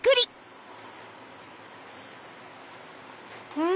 うん！